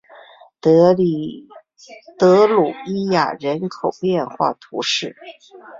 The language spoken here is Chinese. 德吕伊亚人口变化图示